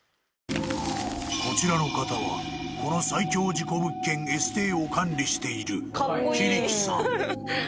こちらの方はこの最恐事故物件Ｓ邸を管理している桐木さん